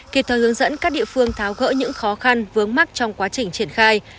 kịp thời hướng dẫn các địa phương tháo gỡ những khó khăn vướng mắt trong quá trình triển khai